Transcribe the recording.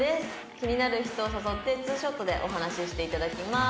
「気になる人を誘ってツーショットでお話ししていただきます」